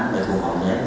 để thua hợp giấy